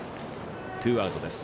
ツーアウトです。